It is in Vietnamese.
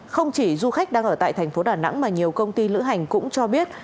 không chỉ du khách đang ở tại thành phố đà nẵng mà nhiều công ty lữ hành cũng cho biết